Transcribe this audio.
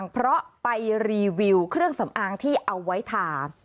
เพราะไปรีวิวเครื่องสำอางที่เอาไว้ทา